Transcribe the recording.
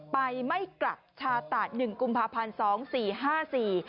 ไปไม่กลับชาตะหนึ่งกุมภาพันธ์สองสี่ห้าสี่